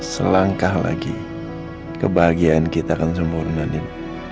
selangkah lagi kebahagiaan kita akan sempurna nih